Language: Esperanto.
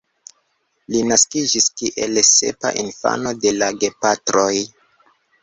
Li naskiĝis kiel sepa infano de la gepatroj.